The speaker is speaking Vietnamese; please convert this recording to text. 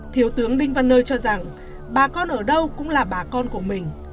thiếu tướng đinh văn nơi cho rằng bà con ở đâu cũng là bà con của mình